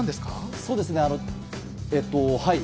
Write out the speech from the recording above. そうですね、はい。